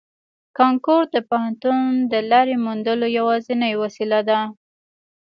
کانکور د پوهنتون د لارې موندلو یوازینۍ وسیله ده